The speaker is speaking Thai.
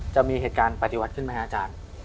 จะมีเหตุการณ์ปฏิวัติขึ้นไหมครับอาจารย์